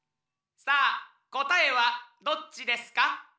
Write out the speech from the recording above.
さあこたえはどっちですか？